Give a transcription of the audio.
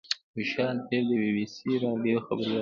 خوشحال طیب د بي بي سي راډیو خبریال و.